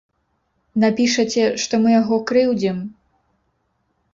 Напішаце, што мы яго крыўдзім?